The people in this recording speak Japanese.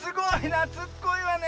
なつっこいわね